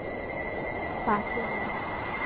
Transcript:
瓦谢雷。